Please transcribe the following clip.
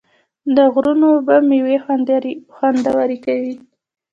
د غرونو اوبه میوې خوندورې کوي.